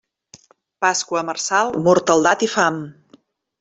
Pasqua marçal, mortaldat i fam.